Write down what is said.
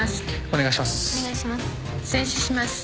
・お願いします。